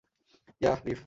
Yeah, reef!